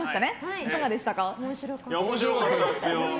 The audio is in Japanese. いかがでしたか？